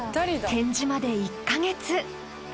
展示まで１カ月。